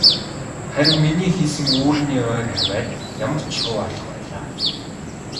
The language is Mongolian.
Харин миний хийсэн үүрний ойр хавиар ямарч шувуу алга байлаа.